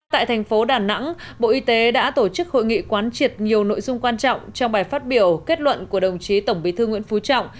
tại thành phố đà nẵng bộ y tế đã tổ chức hội nghị quán triệt nhiều nội dung quan trọng trong bài phát biểu kết luận của đồng chí tổng bí thư nguyễn phú trọng